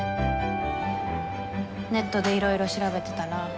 ネットでいろいろ調べてたら。